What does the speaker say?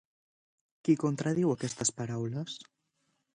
Qui contradiu aquestes paraules?